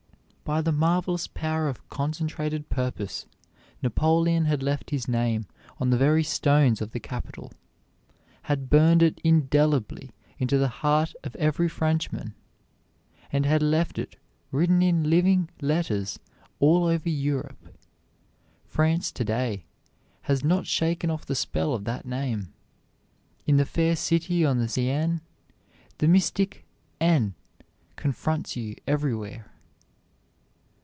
By the marvelous power of concentrated purpose Napoleon had left his name on the very stones of the capital, had burned it indelibly into the heart of every Frenchman, and had left it written in living letters all over Europe. France to day has not shaken off the spell of that name. In the fair city on the Seine the mystic "N" confronts you everywhere.